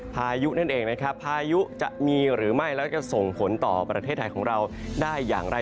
พายุนั่นเองนะครับพายุจะมีหรือไม่แล้วก็จะส่งผลต่อประเทศไทยของเราได้อย่างไร